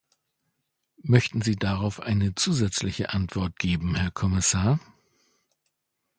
Möchten Sie darauf eine zusätzliche Antwort geben, Herr Kommissar?